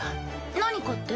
何かって？